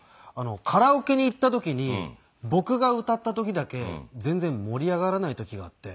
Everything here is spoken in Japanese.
カラオケに行った時に僕が歌った時だけ全然盛り上がらない時があって。